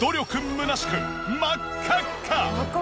むなしく真っ赤っか。